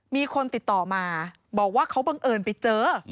มีคนติดต่อมาบอกว่าเขาบังเอิญไปเจอ